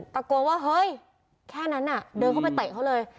ตะโกนว่าเฮ้ยแค่นั้นน่ะเดินเข้าไปเตะเขาเลย